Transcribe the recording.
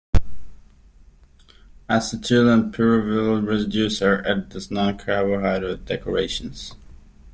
Acetyl and pyruvyl residues are added as non-carbohydrate decorations.